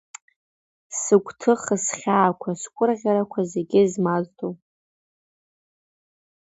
Сыгәҭыха, схьаақәа, сгәырӷьарақәа зегьы змаздо.